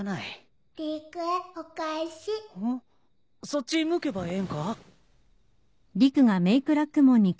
そっち向けばええんか？